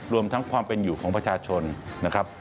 รวมทั้งความเป็นอยู่ของประชาชนนะครับ